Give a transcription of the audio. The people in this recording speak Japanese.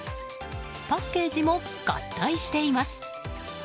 パッケージも合体しています。